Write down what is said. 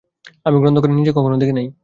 আমি গ্রন্থখানি নিজে কখনও দেখি নাই।